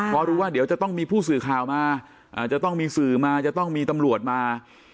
เพราะรู้ว่าเดี๋ยวจะต้องมีผู้สื่อข่าวมาจะต้องมีสื่อมาจะต้องมีตำรวจมา